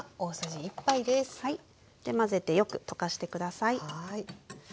で混ぜてよく溶かして下さい。